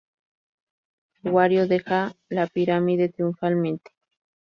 Wario deja la pirámide triunfalmente.